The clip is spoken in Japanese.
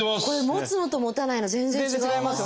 持つのと持たないの全然違います。